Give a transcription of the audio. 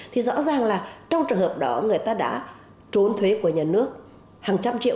thì rõ ràng là trong trường hợp đó người ta đã trốn thuế của nhà nước hàng trăm triệu